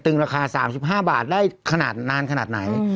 ราคา๓๕บาทได้ขนาดนานขนาดไหน